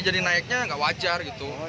ini jadi naiknya nggak wajar gitu